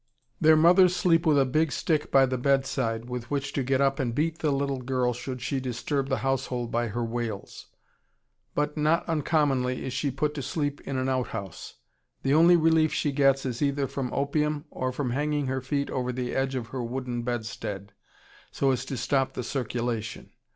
Their mothers sleep with a big stick by the bedside, with which to get up and beat the little girl should she disturb the household by her wails; but not uncommonly she is put to sleep in an outhouse. The only relief she gets is either from opium, or from hanging her feet over the edge of her wooden bedstead, so as to stop the circulation.